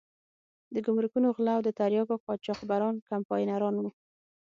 د ګمرکونو غله او د تریاکو قاچاقبران کمپاینران وو.